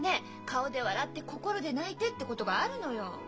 顔で笑って心で泣いてってことがあるのよ。